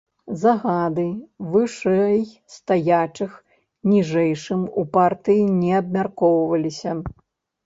Загады вышэйстаячых ніжэйшым у партыі не абмяркоўваліся.